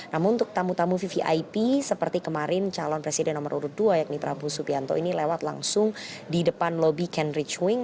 namun untuk tamu tamu vvip seperti kemarin calon presiden nomor urut dua yakni prabowo subianto ini lewat langsung di depan lobby cambridge wing